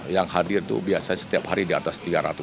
yang hadir itu biasanya setiap hari di atas tiga ratus